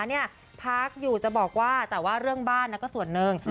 พักอย่างก็จะบอกว่าแต่เรื่องบ้านก็ส่วนหนึ่ง